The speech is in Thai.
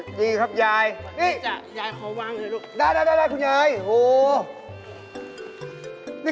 เอ๊ะทำไมคุณยายเหมือนเกลียดเด็กผู้หญิงเนอะ